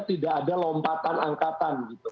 tidak ada lompatan angkatan